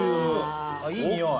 前田：いいにおい！